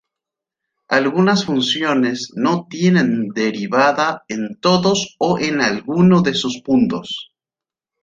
Algunas funciones no tienen derivada en todos o en alguno de sus puntos.